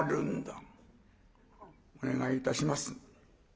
「お願いいたします。